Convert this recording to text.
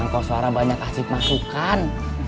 kangkos suara banyak asyik masukkan